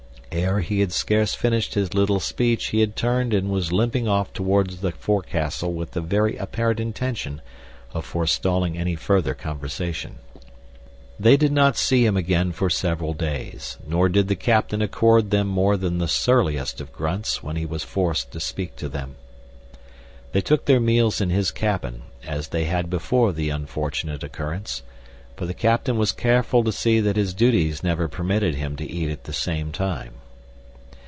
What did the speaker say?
Ere he had scarce finished his little speech he had turned and was limping off toward the forecastle with the very apparent intention of forestalling any further conversation. They did not see him again for several days, nor did the captain accord them more than the surliest of grunts when he was forced to speak to them. They took their meals in his cabin, as they had before the unfortunate occurrence; but the captain was careful to see that his duties never permitted him to eat at the same time.